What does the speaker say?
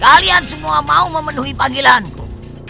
kalian semua mau memenuhi panggilanku